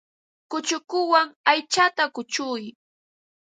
Kuchukuwan aychata kuchuy.